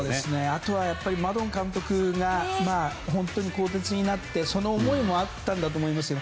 あとはやっぱりマドン監督が更迭になってその思いもあったんだと思いますよ。